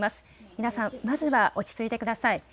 皆さん、まずは落ち着いてください。